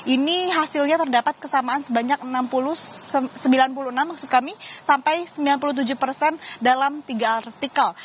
ini hasilnya terdapat kesamaan sebanyak sembilan puluh enam maksud kami sampai sembilan puluh tujuh persen dalam tiga artikel